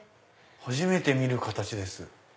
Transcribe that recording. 初めて見る形です。